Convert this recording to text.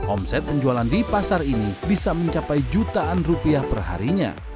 omset penjualan di pasar ini bisa mencapai jutaan rupiah perharinya